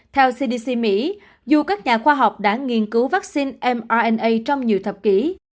theo cdc mỹ dù các nhà khoa học đã nghiên cứu vaccine mrna trong nhiều thập kỷ